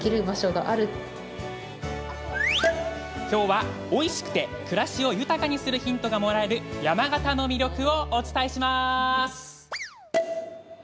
きょうは、おいしくて暮らしを豊かにするヒントがもらえる山形の魅力をお伝えします。